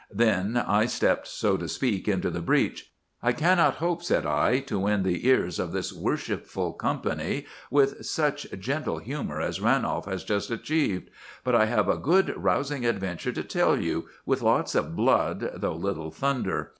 Then I stepped, so to speak, into the breach. "I cannot hope," said I, "to win the ears of this worshipful company with any such gentle humor as Ranolf has just achieved. But I have a good rousing adventure to tell you, with lots of blood though little thunder.